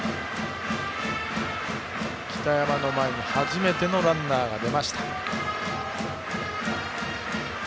北山の前に初めてのランナーが出ました。